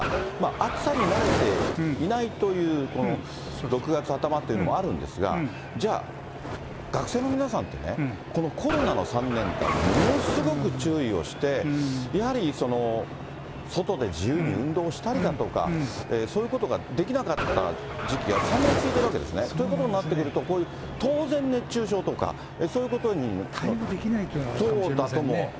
暑さに慣れていないというこの６月頭っていうのもあるんですが、じゃあ、学生の皆さんってね、このコロナの３年間、ものすごく注意をして、やはり外で自由に運動したりだとか、そういうことができなかった時期が３年続いているわけですね。ということになってくると、こういう当然熱中症とか、そういうことに。対応できないということがあるかもしれませんね。